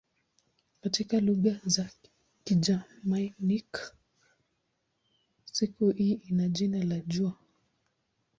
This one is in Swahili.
Katika lugha za Kigermanik siku hii ina jina la "jua".